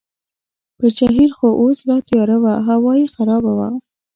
پر جهیل خو اوس لا تیاره وه، هوا یې خرابه وه.